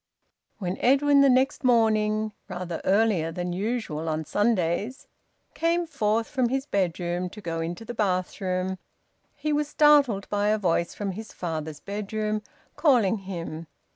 When Edwin the next morning, rather earlier than usual on Sundays, came forth from his bedroom to go into the bathroom, he was startled by a voice from his father's bedroom calling him.